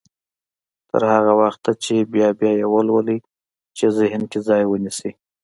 تر هغه وخته يې بيا بيا يې ولولئ چې ذهن کې ځای ونيسي.